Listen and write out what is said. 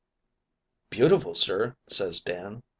"'Beautiful, sir,' says Dan.